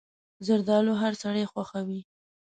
زردالو هر سړی خوښوي.